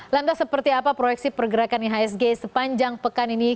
lantas seperti apa proyeksi pergerakan ihsg sepanjang pekan ini